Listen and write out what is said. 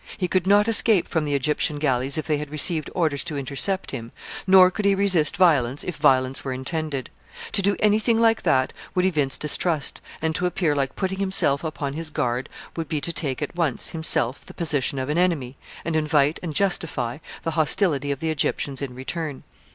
He could not escape from the Egyptian galleys if they had received orders to intercept him, nor could he resist violence if violence were intended. To do any thing like that would evince distrust, and to appear like putting himself upon his guard would be to take at once, himself, the position of an enemy, and invite and justify the hostility of the Egyptians in return.